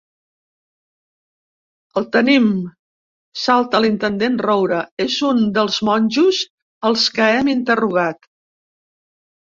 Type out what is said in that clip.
El tenim! —salta l'intendent Roure— És un dels monjos als que hem interrogat.